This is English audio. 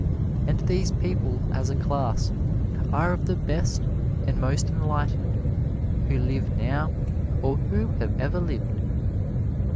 And these people as a class are of the best and most enlightened who live now or who have ever lived.